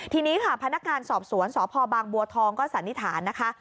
ทีนี้ค่ะพนักงานสอบสวนสพบางบัวทองก็สันนิษฐานนะคะ